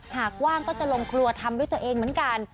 หากว่างก็จะลงครัวทำด้วยตัวเองเหมือนกัน